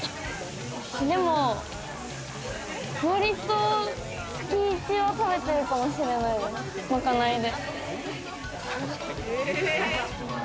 割と月１は食べてるかもしれない、まかないで。